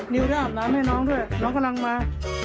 นิวได้อาบน้ำให้น้องด้วยน้องกำลังมา